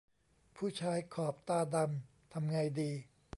ผู้ชายขอบตาดำทำไงดี